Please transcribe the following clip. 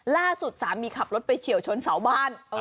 ล่าสุดสามีขับรถไปเฉียวชนเสาบ้าน